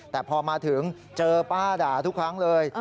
แต่พอมาถึงเจอป้าด่าทุกครั้งเลย